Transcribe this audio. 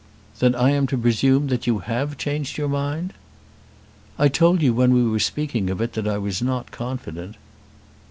"Then I am to presume that you have changed your mind?" "I told you when we were speaking of it that I was not confident."